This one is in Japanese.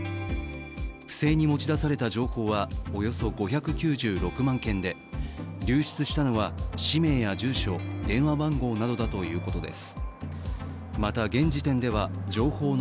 不正に持ち出された情報はおよそ５９３万件で、流出したのは氏名や住所、電話番号などだということです。